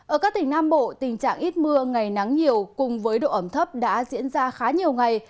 ở các tỉnh nam bộ tình trạng ít mưa ngày nắng nhiều cùng với độ ẩm thấp đã diễn ra khá nhiều ngày